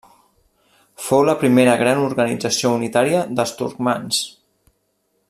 Fou la primera gran organització unitària dels turcmans.